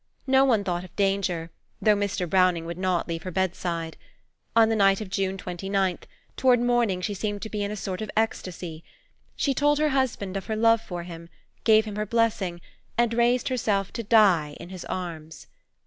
No one thought of danger, though Mr. Browning would not leave her bedside. On the night of June 29, toward morning she seemed to be in a sort of ecstasy. She told her husband of her love for him, gave him her blessing, and raised herself to die in his arms.